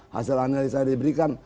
hasil analisa yang diberikan